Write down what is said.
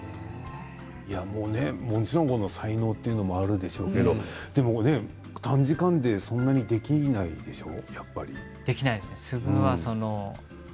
もちろん才能もあるんでしょうけれど短時間でそんなにできないでしょう？